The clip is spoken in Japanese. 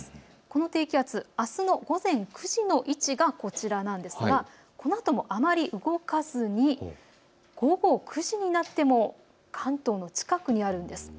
この低気圧、あすの午前９時の位置がこちらなんですがこのあとも、あまり動かずに午後９時になっても関東の近くにあるんです。